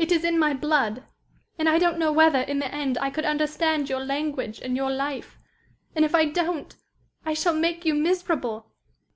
It is in my blood. And I don't know whether, in the end, I could understand your language and your life. And if I don't, I shall make you miserable."